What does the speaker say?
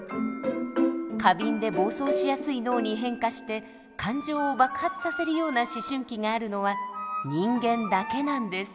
過敏で暴走しやすい脳に変化して感情を爆発させるような思春期があるのは人間だけなんです。